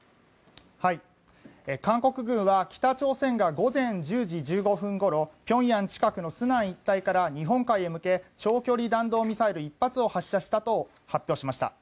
韓国軍は北朝鮮が午前１０時１５分ごろピョンヤン近くのスナン一帯から日本海へ向け長距離弾道ミサイル１発を発射したと発表しました。